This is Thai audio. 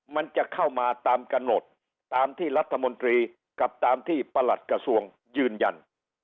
มันจะเข้ามาตามกำหนดตามที่รัฐมนตรีกับตามที่ประหลัดกระทรวงยืนยัน